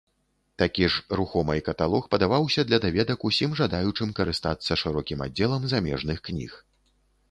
Такі ж рухомай каталог падаваўся для даведак усім жадаючым карыстацца шырокім аддзелам замежных кніг.